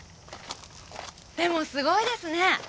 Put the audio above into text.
でもすごいですね。